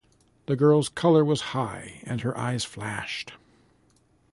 The girl’s colour was high, and her eyes flashed.